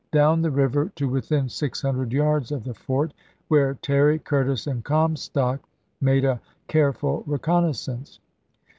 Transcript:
down the river to within six hundred yards of the fort, where Terry, Curtis, and Comstock made a careful reconnaissance.